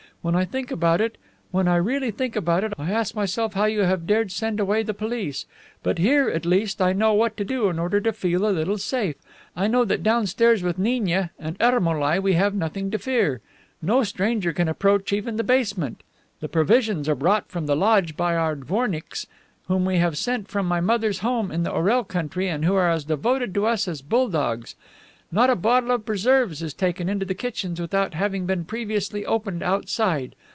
When I think about it, when I really think about it, I ask myself how you have dared send away the police. But here, at least, I know what to do in order to feel a little safe, I know that downstairs with Gniagnia and Ermolai we have nothing to fear. No stranger can approach even the basement. The provisions are brought from the lodge by our dvornicks whom we have had sent from my mother's home in the Orel country and who are as devoted to us as bull dogs. Not a bottle of preserves is taken into the kitchens without having been previously opened outside.